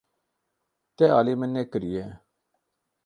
Te alî min nekiriye.